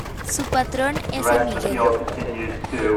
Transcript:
Su patrón es San Miguel.